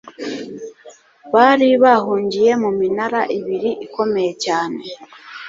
bari bahungiye mu minara ibiri ikomeye cyane